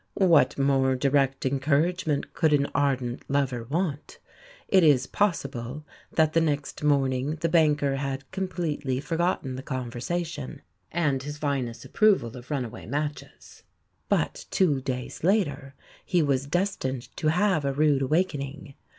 What more direct encouragement could an ardent lover want? It is possible that the next morning the banker had completely forgotten the conversation, and his vinous approval of runaway matches; but, two days later, he was destined to have a rude awaking.